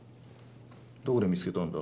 どこで見つけたんだ？